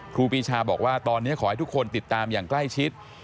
ครูปีชาบอกว่าตอนนี้ขอให้ทุกคนติดตามอย่างใกล้ชิด